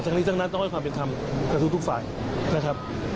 ทั้งนี้ทั้งนั้นต้องให้ความเป็นธรรมกับทุกฝ่ายนะครับ